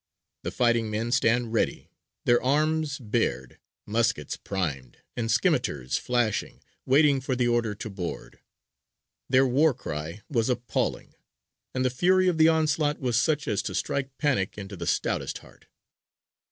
The fighting men stand ready, their arms bared, muskets primed, and scimitars flashing, waiting for the order to board. Their war cry was appalling; and the fury of the onslaught was such as to strike panic into the stoutest heart.